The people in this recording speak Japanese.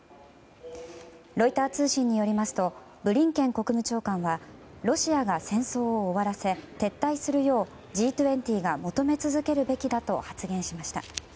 ロイター通信によりますとブリンケン国務長官はロシアが戦争を終わらせ撤退するようＧ２０が求め続けるべきだと発言しました。